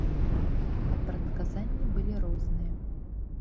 А прадказанні былі розныя.